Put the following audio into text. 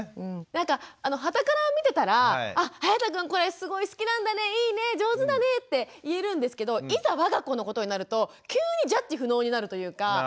なんかはたから見てたらあはやたくんこれすごい好きなんだねいいね上手だねって言えるんですけどいざわが子のことになると急にジャッジ不能になるというか。